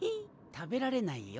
食べられないよ。